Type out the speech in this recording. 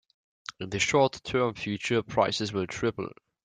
In the short term future, prices will triple.